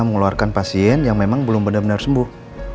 mengeluarkan pasien yang memang belum benar benar sembuh